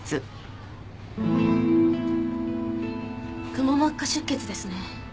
くも膜下出血ですね。